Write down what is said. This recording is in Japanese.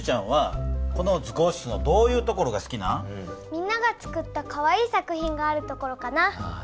みんながつくったかわいい作品があるところかな。